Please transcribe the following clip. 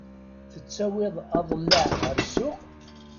Tettawiḍ aḍellaɛ ɣer ssuq?